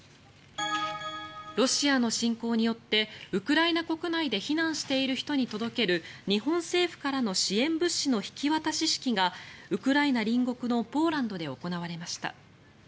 ロシアの侵攻によってウクライナ国内で避難している人に届ける日本政府からの支援物資の引き渡し式がウクライナ隣国のポーランドで行われました。